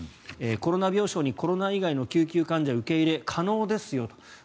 コロナ病床にコロナ以外の救急患者受け入れ可能ですよと。